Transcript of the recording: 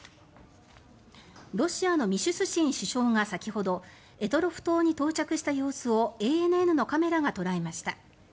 ロシアのミシュスチン首相が先ほど択捉島に到着した様子をＡＮＮのカメラが捉えました。